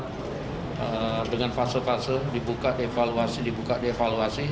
kami berpikir dengan fase fase dibuka dievaluasi dibuka dievaluasi